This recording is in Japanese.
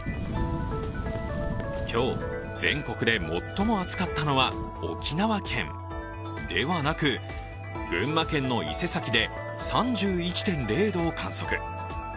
今日、全国で最も暑かったのは沖縄県ではなく群馬県の伊勢崎で３１．０度を観測。